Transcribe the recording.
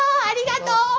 ありがとう！